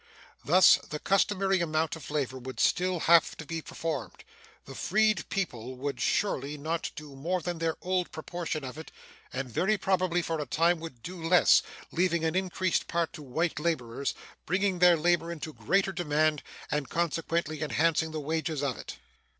Thus the customary amount of labor would still have to be performed the freed people would surely not do more than their old proportion of it, and very probably for a time would do less, leaving an increased part to white laborers, bringing their labor into greater demand, and consequently enhancing the wages of it.